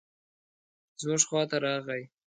زموږ خواته راغی.